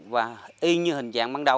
và y như hình